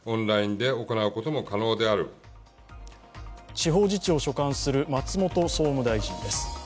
地方自治を所管する松本総務大臣です。